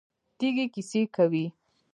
تیږې کیسې کوي.